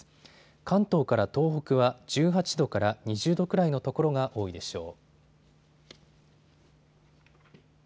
関東から東北は１８度から２０度くらいの所が多いでしょう。